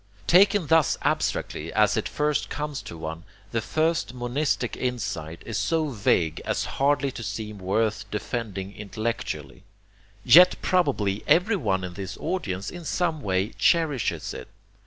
Taken thus abstractly as it first comes to one, the monistic insight is so vague as hardly to seem worth defending intellectually. Yet probably everyone in this audience in some way cherishes it.